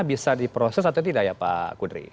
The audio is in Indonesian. bisa diproses atau tidak ya pak kudri